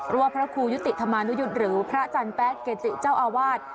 ว่าพระครูยุติธรรมานุยุทธ์หรือพระอาจารย์แป๊ะเกจิเจ้าอาวาส